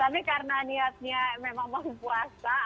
tapi karena niatnya memang mau puasa